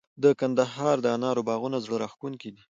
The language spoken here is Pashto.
د کندهار د انارو باغونه زړه راښکونکي دي.